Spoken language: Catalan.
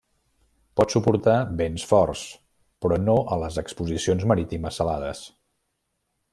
Pot suportar vents forts, però no a les exposicions marítimes salades.